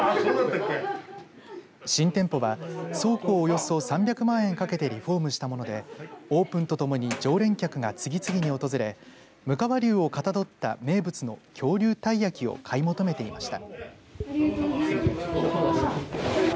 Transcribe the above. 新店舗は倉庫をおよそ３００万円かけてリフォームしたものでオープンとともに常連客が次々に訪むかわ竜をかたどった名物の恐竜たい焼きを買い求めていました。